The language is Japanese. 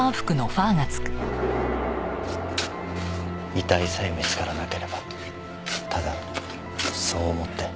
遺体さえ見つからなければただそう思って。